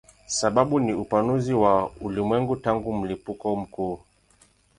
Sababu ni upanuzi wa ulimwengu tangu mlipuko mkuu.